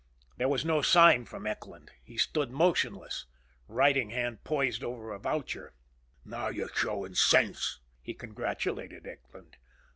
There was no sign from Eckland. He stood motionless, writing hand poised over a voucher. "Now you're showing sense," he congratulated Eckland.